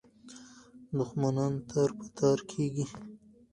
دښمنان تار په تار کېږي.